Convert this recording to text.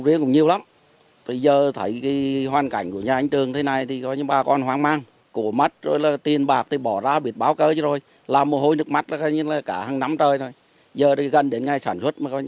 đến ngày sản xuất mà bị thế này thì ai mà không lo